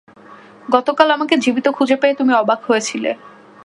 গতকাল আমাকে জীবিত খুঁজে পেয়ে তুমি অবাক হয়েছিলে।